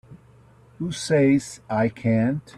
Who says I can't?